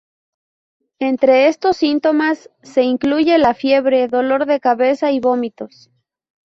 Entre estos síntomas se incluye la fiebre, dolor de cabeza y vómitos.